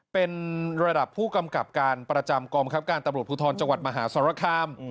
เป็นระดับผู้กำกับการประจำกองบังคับการตำรวจภูทรจังหวัดมหาสรคาม